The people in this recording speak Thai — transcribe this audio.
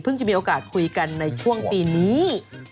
จะมีโอกาสคุยกันในช่วงปีนี้